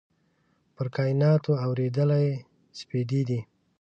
پر کایناتو اوريدلي سپیدې